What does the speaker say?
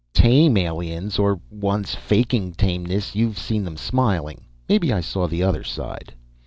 "Tame aliens! Or ones faking tameness. You've seen them smiling, maybe. I saw the other side."